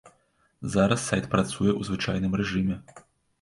Зараз сайт працуе ў звычайным рэжыме.